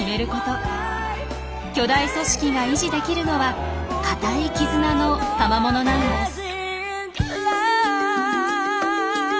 巨大組織が維持できるのは固い絆のたまものなんです。